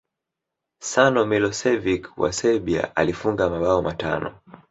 savo milosevic wa serbia alifunga mabao matano